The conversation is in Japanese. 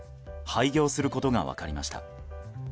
廃業することが分かりました。